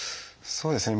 そうですね。